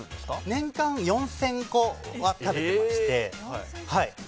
年間４０００個は食べてまして。